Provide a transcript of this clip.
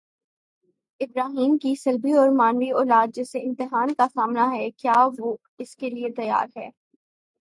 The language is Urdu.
ابراہیمؑ کی صلبی اور معنوی اولاد، جسے امتحان کا سامنا ہے، کیا اس کے لیے تیار ہے؟